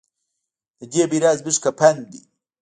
د دې بیرغ زموږ کفن دی